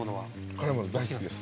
辛いもの大好きです。